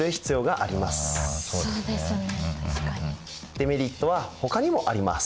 デメリットはほかにもあります。